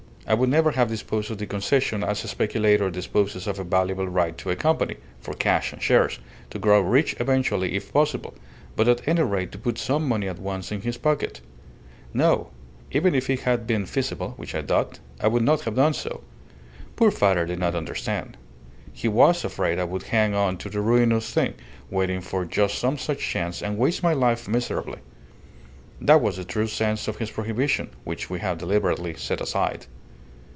I would never have disposed of the Concession as a speculator disposes of a valuable right to a company for cash and shares, to grow rich eventually if possible, but at any rate to put some money at once in his pocket. No. Even if it had been feasible which I doubt I would not have done so. Poor father did not understand. He was afraid I would hang on to the ruinous thing, waiting for just some such chance, and waste my life miserably. That was the true sense of his prohibition, which we have deliberately set aside."